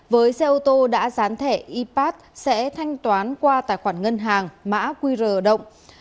với xe ô tô đã dán thẻ ipat sẽ thanh toán qua tài khoản ngân hàng mã qr động